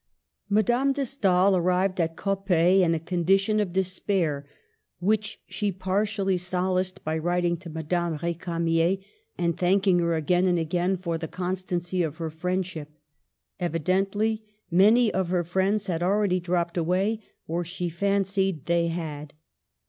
Madame de Stael arrived at Coppet in a con dition of despair, which she partially solaced by writing to Madame Ricamier and thanking her again and again for the constancy of her friend ship. Evidently many of her friends had already dropped away, or she fancied they had.